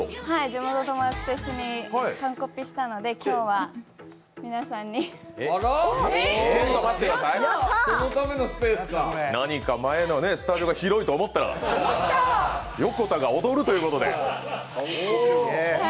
地元の友達と一緒に完コピしたので今日は皆さんに何か前のスタジオが広いと思ったら、横田が踊るということで。